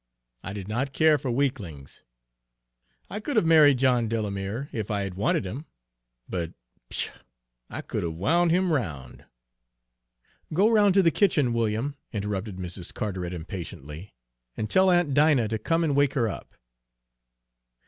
I did not care for weaklings. I could have married John Delamere if I had wanted him. But pshaw! I could have wound him round" "Go round to the kitchen, William," interrupted Mrs. Carteret impatiently, "and tell Aunt Dinah to come and wake her up."